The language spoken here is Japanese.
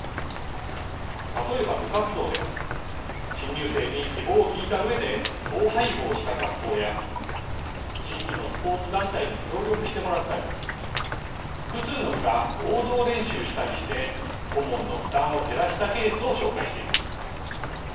例えば部活動では新入生に希望を聞いたうえで統廃合した学校や地域のスポーツ団体に協力してもらったり複数の部が合同練習したりして顧問の負担を減らしたケースを紹介しています。